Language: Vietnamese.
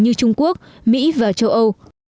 như trung quốc mỹ và châu âu